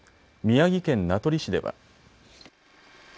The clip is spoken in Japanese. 宮城県名取市では。